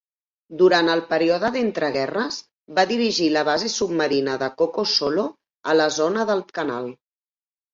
Durant el període d'entreguerres, va dirigir la base submarina de Coco Solo, a la zona del Canal.